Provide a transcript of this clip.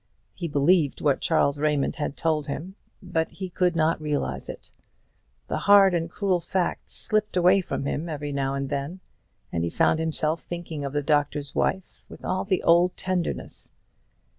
He believed what Charles Raymond had told him, but he could not realize it; the hard and cruel facts slipped away from him every now and then, and he found himself thinking of the Doctor's Wife with all the old tenderness.